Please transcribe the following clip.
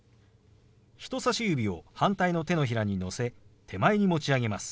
人さし指を反対の手のひらにのせ手前に持ち上げます。